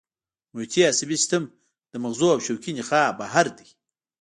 محیطي عصبي سیستم له مغزو او شوکي نخاع بهر دی